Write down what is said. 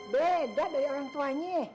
beda dari orang tuanya